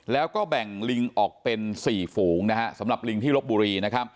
แล้วก็แบ่งลิงออกเป็น๔ฝูงสำหรับลิงที่ลบบุรี